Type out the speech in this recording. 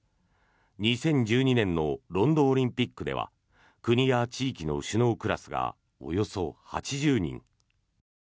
２０１２年のロンドンオリンピックでは国や地域の首脳クラスがおよそ８０人。